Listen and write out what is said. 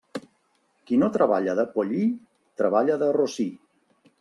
Qui no treballa de pollí, treballa de rossí.